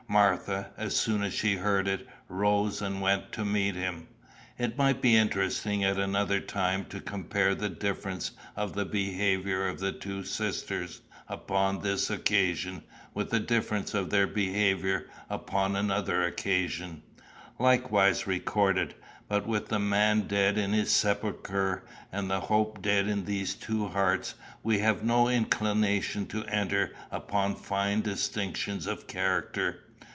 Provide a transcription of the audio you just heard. Martha, as soon as she heard it, rose and went to meet him. It might be interesting at another time to compare the difference of the behaviour of the two sisters upon this occasion with the difference of their behaviour upon another occasion, likewise recorded; but with the man dead in his sepulchre, and the hope dead in these two hearts, we have no inclination to enter upon fine distinctions of character.